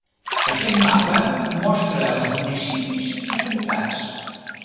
Aquest mapa mostra els municipis i comtats.